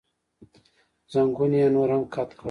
زنګون یې نور هم کت کړ، اخ.